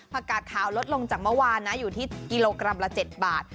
กาดขาวลดลงจากเมื่อวานนะอยู่ที่กิโลกรัมละ๗บาท